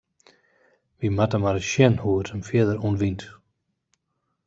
Wy moatte mar ris sjen hoe't it him fierder ûntwynt.